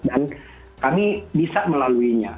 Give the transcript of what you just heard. dan kami bisa melaluinya